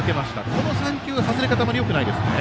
この３球、外れ方あまりよくないですね。